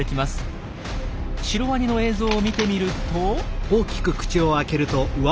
シロワニの映像を見てみると。